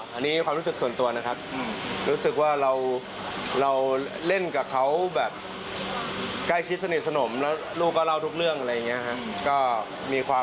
อันนี้ความรู้สึกส่วนตัวนะครับรู้สึกว่าเราเล่นกับเขาแบบใกล้ชิดสนิทสนมแล้วลูกก็เล่าทุกเรื่องอะไรอย่างนี้ครับ